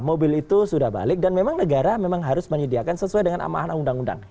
mobil itu sudah balik dan memang negara memang harus menyediakan sesuai dengan amanah undang undang